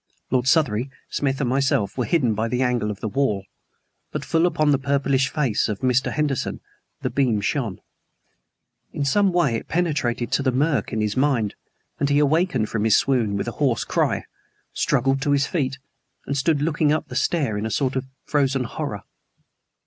Lord Southery, Smith and myself were hidden by the angle of the wall; but full upon the purplish face of Mr. Henderson the beam shone. In some way it penetrated to the murk in his mind; and he awakened from his swoon with a hoarse cry, struggled to his feet, and stood looking up the stair in a sort of frozen horror.